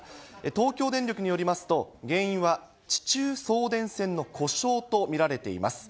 東京電力によりますと、原因は地中送電線の故障と見られています。